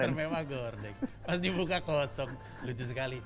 barang termewah gorden pas dibuka kosong lucu sekali